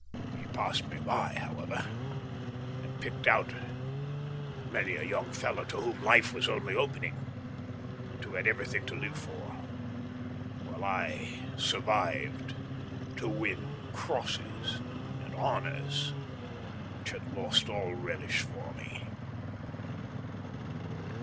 He passed me by, however, and picked out many a young fellow to whom life was only opening and who had everything to live for, while I survived to win crosses and honours which had lost all relish for me.